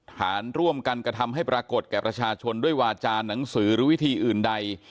ฐานร่วมกันกระทำให้ปรากฏแก่ประชาชนด้วยวาจาหนังสือหรือวิธีอื่นใด